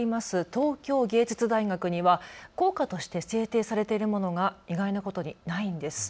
東京藝術大学には校歌として制定されているものが意外なことにないんです。